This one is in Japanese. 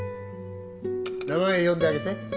名前呼んであげて